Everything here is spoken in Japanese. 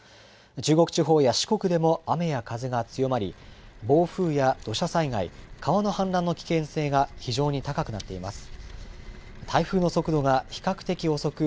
中国地方や四国でも雨や風が強まり、暴風や土砂災害、川の氾濫の危険性が非常に高くなっています。